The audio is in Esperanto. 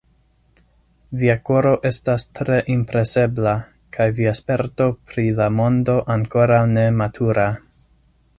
Via koro estas tre impresebla, kaj via sperto pri la mondo ankoraŭ nematura.